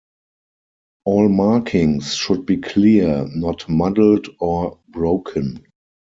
All markings should be clear, not muddled or broken.